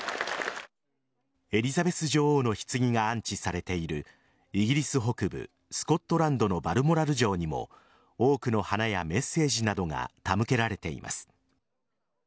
エリザベス女王のひつぎが安置されているイギリス北部・スコットランドのバルモラル城にも多くの花やメッセージなどが手向けられています。